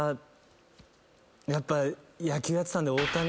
やっぱ。